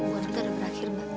buat kita udah berakhir mbak